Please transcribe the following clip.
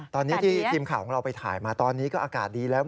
ตอนนี้ที่ทีมข่าวของเราไปถ่ายมาตอนนี้ก็อากาศดีแล้ว